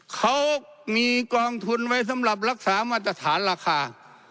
เขามีกองทุนไว้สำหรับรักษามาตรฐานราคา